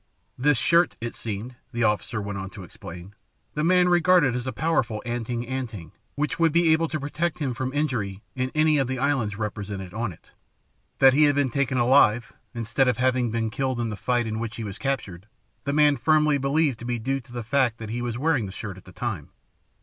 This shirt, it seemed, the officer went on to explain, the man regarded as a powerful "anting anting," which would be able to protect him from injury in any of the islands represented on it. That he had been taken alive, instead of having been killed in the fight in which he was captured, the man firmly believed to be due to the fact that he was wearing the shirt at the time.